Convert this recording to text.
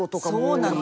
そうなの。